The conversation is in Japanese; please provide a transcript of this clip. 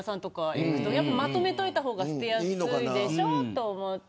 まとめておいた方が捨てやすいでしょと思って。